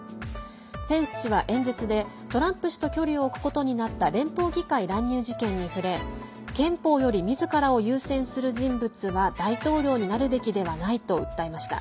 ペンス氏は演説でトランプ氏と距離を置くことになった連邦議会乱入事件に触れ憲法よりみずからを優先する人物は大統領になるべきではないと訴えました。